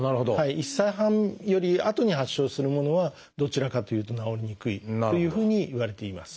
１歳半よりあとに発症するものはどちらかというと治りにくいというふうにいわれています。